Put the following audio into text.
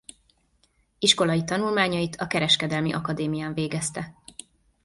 Iskolai tanulmányait a kereskedelmi Akadémián végezte.